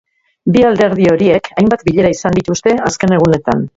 Bi alderdi horiek hainbat bilera izan dituzte azken egunetan.